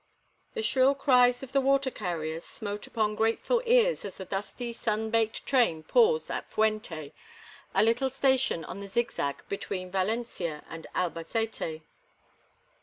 The shrill cries of the water carriers smote upon grateful ears as the dusty, sun baked train paused at Fuente, a little station on the zigzag between Valencia and Albacete.